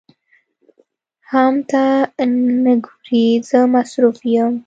حم ته نه ګورې زه مصروف يم.